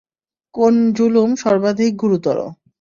কোন জুলুম সর্বাধিক গুরুতর?